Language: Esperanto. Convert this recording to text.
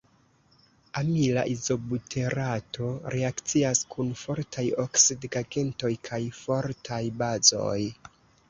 Amila izobuterato reakcias kun fortaj oksidigagentoj kaj fortaj bazoj.